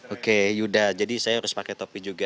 oke yuda jadi saya harus pakai topi juga